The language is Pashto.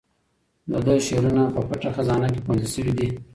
د ده شعرونه په پټه خزانه کې خوندي شوي دي.